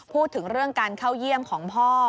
พูดถึงเรื่องการเข้าเยี่ยมของพ่อ